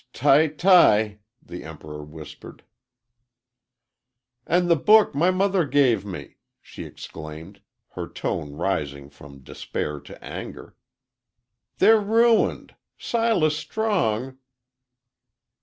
"T y ty!" the Emperor whispered. "An' the book my mother gave me!" she exclaimed, her tone rising from despair to anger. "They're ruined Silas Strong!"